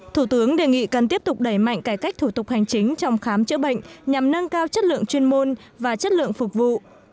thủ tướng đề nghị cần tiếp tục đẩy mạnh cải cách thủ tục hành chính trong khám chữa bệnh nhằm nâng cao chất lượng chuyên môn và chất lượng phục vụ